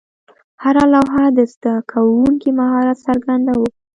هره لوحه د زده کوونکي مهارت څرګنداوه.